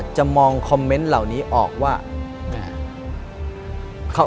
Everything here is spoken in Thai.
จะมองคอมเมนต์เหล่านี้ออกว่าแม่